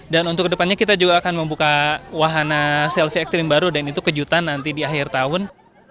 dan untuk kedepannya kita juga akan membuka wahana selfie ekstrim baru dan itu kejutan nanti di akhir tahun